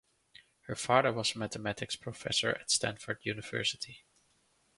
Her father was mathematics professor at Stanford University.